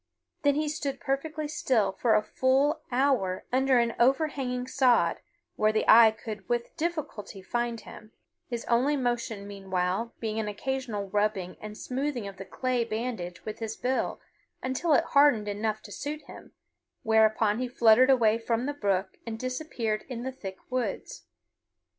Then he stood perfectly still for a full hour under an overhanging sod, where the eye could with difficulty find him, his only motion meanwhile being an occasional rubbing and smoothing of the clay bandage with his bill, until it hardened enough to suit him, whereupon he fluttered away from the brook and disappeared in the thick woods.